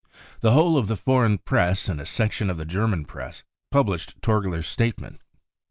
The whole of the foreign Press and a section of the German Press published Torgler's statement.